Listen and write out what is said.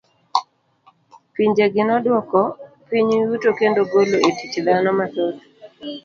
Pinje gi noduoko piny yuto kendo golo e tich dhano mathoth.